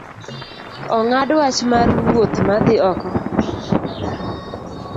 Ong’ad wach mar wuoth madhi oko